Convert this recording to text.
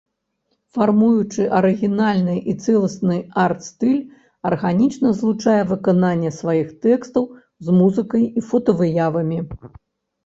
Фармуючы арыгінальны і цэласны арт-стыль, арганічна злучае выкананне сваіх тэкстаў з музыкай і фотавыявамі.